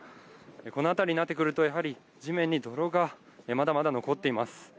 この辺りになってくるとやはり地面に泥がまだまだ残っています。